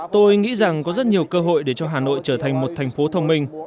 tôi nghĩ rằng có rất nhiều cơ hội để cho hà nội trở thành một thành phố thông minh